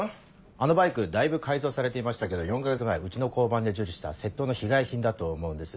あのバイクだいぶ改造されていましたけど４か月前うちの交番で受理した窃盗の被害品だと思うんです。